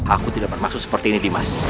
aku tidak bermaksud seperti ini dimas